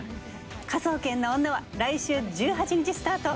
『科捜研の女』は来週１８日スタート。